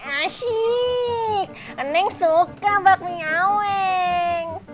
asyik neng suka bakmi aweng